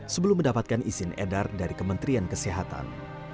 sebelum mendapatkan izin edar dari kementerian kesehatan